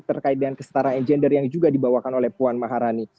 terkait dengan kesetaraan gender yang juga dibawakan oleh puan maharani